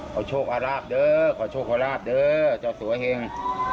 โชคอาราบเด้อขอโชคขอราบเด้อเจ้าสัวเหง